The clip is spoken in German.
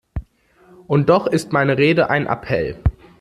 Und doch ist meine Rede ein Appell.